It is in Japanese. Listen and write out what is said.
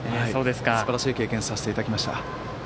すばらしい経験をさせていただきました。